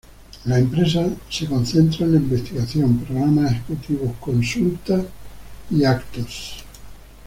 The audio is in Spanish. La empresa se concentra en la investigación, programas ejecutivos, consultas y eventos.